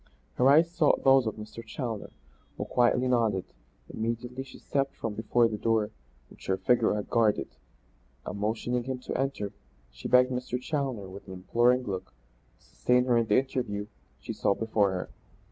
Her eyes sought those of Mr. Challoner, who quietly nodded. Immediately she stepped from before the door which her figure had guarded and, motioning him to enter, she begged Mr. Challoner, with an imploring look, to sustain her in the interview she saw before her.